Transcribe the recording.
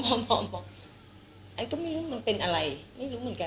พร้อมบอกอันก็ไม่รู้มันเป็นอะไรไม่รู้เหมือนกัน